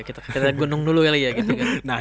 kita gunung dulu kali ya gitu kan